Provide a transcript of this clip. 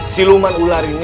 siluman ular itu